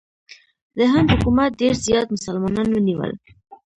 د هند حکومت ډېر زیات مسلمانان ونیول.